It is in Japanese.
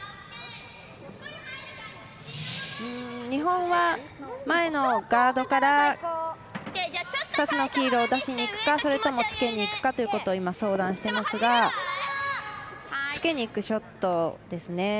日本は前のガードから２つの黄色を出しにいくかそれともつけにいくかということを今、相談していますがつけにいくショットですね。